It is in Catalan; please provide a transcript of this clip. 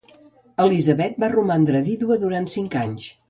Elisabet va romandre vídua durant cinc anys.